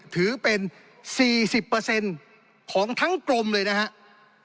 ถือเป็น๔๐ของทั้งกรมเลยนะครับ